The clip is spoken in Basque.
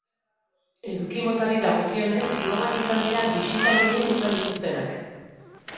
Eduki motari dagokionez, blogak izan dira bisita gehien izan dituztenak.